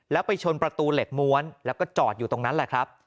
แล้วไปชนประตูเหล็กม้วนแล้วก็จอดอยู่ตรงนั้นแหละครับ